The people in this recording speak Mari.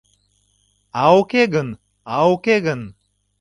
А уке гын, а уке гын